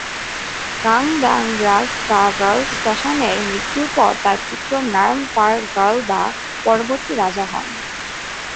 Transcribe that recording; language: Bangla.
ঙ্গাগ-দ্বাং-গ্রাগ্স-পা-র্গ্যাল-ম্ত্শানের মৃত্যুর পর তার পুত্র র্নাম-পার-র্গ্যাল-বা পরবর্তী রাজা হন।